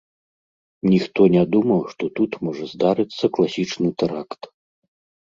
Ніхто не думаў, што тут можа здарыцца класічны тэракт.